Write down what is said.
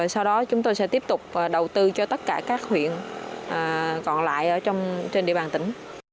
sau đó chúng tôi sẽ tiếp tục đầu tư cho tất cả các huyện còn lại trên địa bàn tỉnh